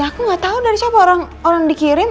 ya aku gak tahu dari siapa orang dikirim